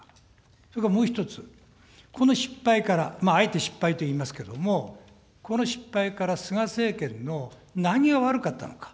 それからもう１つ、この失敗から、あえて失敗と言いますけれども、この失敗から菅政権の何が悪かったのか。